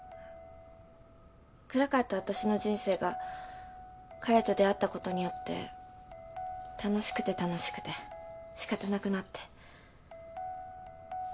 暗かったわたしの人生が彼と出会ったことによって楽しくて楽しくて仕方なくなって。